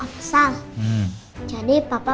omsal jadi papa